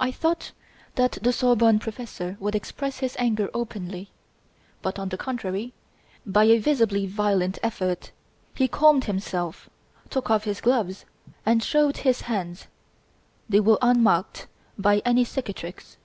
I thought that the Sorbonne professor would express his anger openly, but, on the contrary, by a visibly violent effort, he calmed himself, took off his gloves, and showed his hands; they were unmarked by any cicatrix.